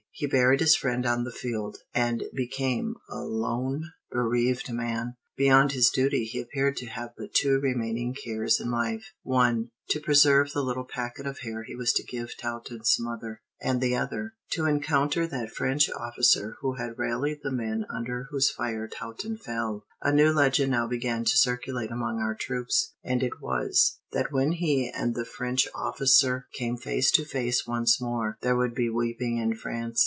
He buried his friend on the field, and became a lone, bereaved man. Beyond his duty he appeared to have but two remaining cares in life, one, to preserve the little packet of hair he was to give to Taunton's mother; the other, to encounter that French officer who had rallied the men under whose fire Taunton fell. A new legend now began to circulate among our troops; and it was, that when he and the French officer came face to face once more, there would be weeping in France.